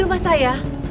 oh nya sudah